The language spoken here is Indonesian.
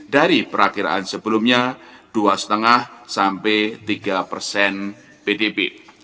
dari perakhiran sebelumnya dua lima tiga pdb